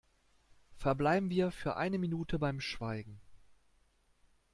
Verbleiben wir für eine Minute beim Schweigen!